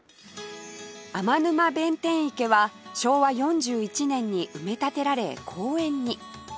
天沼弁天池は昭和４１年に埋め立てられ公園に